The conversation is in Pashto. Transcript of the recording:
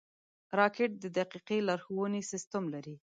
راکټ د دقیقې لارښونې سیسټم لري